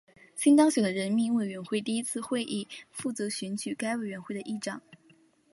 新当选的人民委员会第一次会议负责选举该委员会的议长。